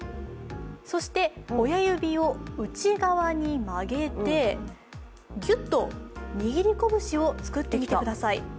そして親指を内側に曲げてギュッと握り拳を作ってみてください。